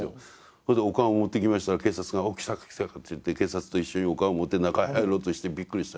それでお棺を持っていきましたら警察がお来たか来たかと言って警察と一緒にお棺を持って中へ入ろうとしてびっくりした。